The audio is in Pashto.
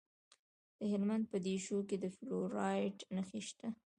د هلمند په دیشو کې د فلورایټ نښې شته.